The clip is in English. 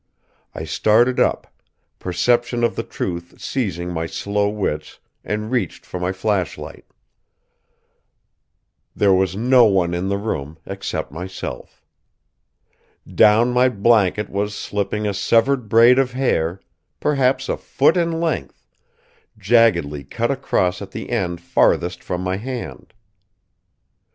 I started up, perception of the truth seizing my slow wits, and reached for my flashlight. There was no one in the room except myself. Down my blanket was slipping a severed braid of hair, perhaps a foot in length, jaggedly cut across at the end farthest from my hand.